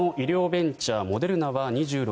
ベンチャーモデルナは２６日